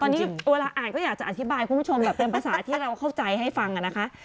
ตอนนี้เวลาอ่านก็อยากจะอธิบายคุณผู้ชมแบบเป็นภาษาที่เราเข้าใจให้ฟังนะคะ